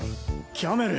キャメル！